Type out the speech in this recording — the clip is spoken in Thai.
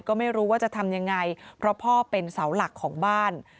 ก็ไม่รู้ว่าจะทำยังไงเพราะพ่อเป็นเสาหลักของบ้าน